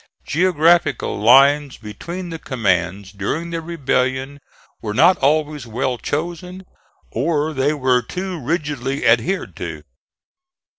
Geographical lines between the commands during the rebellion were not always well chosen, or they were too rigidly adhered to.